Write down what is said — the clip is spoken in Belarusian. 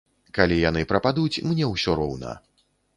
Калі яны прападуць, мне ўсё роўна.